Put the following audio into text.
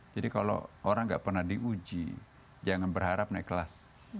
jadi kalau orang gak pernah diuji jangan berharap naik kelas